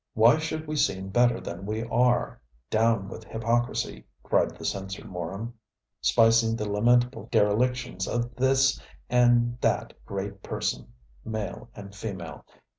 Why should we seem better than we are? down with hypocrisy, cried the censor morum, spicing the lamentable derelictions of this and that great person, male and female.